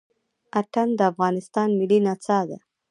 اتڼ د افغانستان ملي نڅا ده.